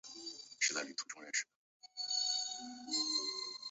张贴影片写写网志